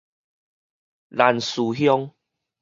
蘭嶼鄉